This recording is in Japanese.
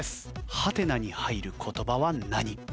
「ハテナ」に入る言葉は何？